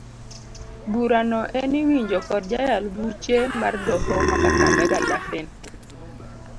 Burano en iwinjo kod jayal buche mar doho ma kakamega Daphne.